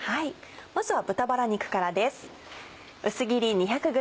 まずは豚バラ肉からです。